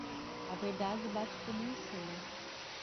A verdade bate como um sino.